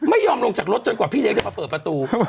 ไม่ยอมลงจากรถจนกว่าพี่เลี้ยจะมาเปิดประตู